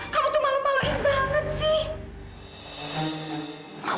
kalau tuh malu maluin banget sih